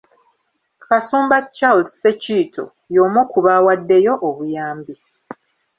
Kasumba Charles Ssekiito y'omu ku baawaddeyo obuyambi.